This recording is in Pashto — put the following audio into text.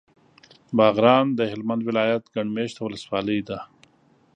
باغران د هلمند ولایت ګڼ مېشته ولسوالي ده.